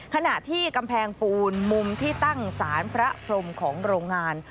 ขณะที่กำแพงปูนมุมที่ตั้งสารพระพรมของโรงงาน